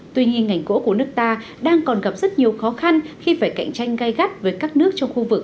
tuy nhiên ngành gỗ của nước ta đang còn gặp rất nhiều khó khăn khi phải cạnh tranh